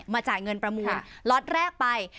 จ่ายเงินประมูลล็อตแรกไป